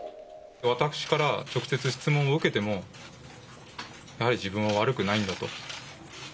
私から直接質問を受けても、やはり自分は悪くないんだと。